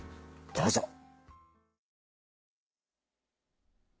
どうぞ。